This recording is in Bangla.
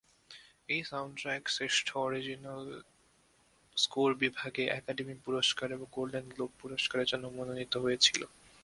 এই সাউন্ডট্র্যাক শ্রেষ্ঠ অরিজিনাল স্কোর বিভাগে একাডেমি পুরস্কার এবং গোল্ডেন গ্লোব পুরস্কারের জন্যে মনোনীত হয়েছিল।